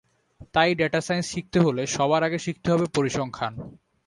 তাই data science শিখতে হলে সবার আগে শিখতে হবে পরিসংখ্যান।